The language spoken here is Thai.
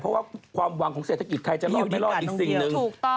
เพราะว่าความหวังของเศรษฐกิจไทยจะรอดไม่รอดอีกสิ่งหนึ่ง